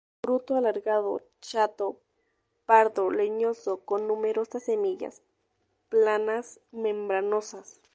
Fruto alargado, chato, pardo, leñoso, con numerosas semillas, planas, membranosas.